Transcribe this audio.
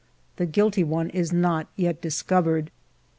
The guilty one is not yet discovered.